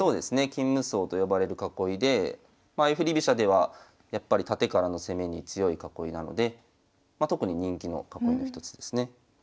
金無双と呼ばれる囲いでまあ相振り飛車ではやっぱりタテからの攻めに強い囲いなので特に人気の囲いの一つですね。